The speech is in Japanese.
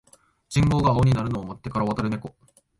信号が青になるのを待ってから渡るネコ